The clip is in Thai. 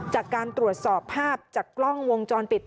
จากการตรวจสอบภาพจากกล้องวงจรปิด